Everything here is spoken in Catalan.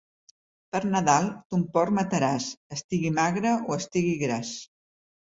Per Nadal ton porc mataràs, estigui magre o estigui gras.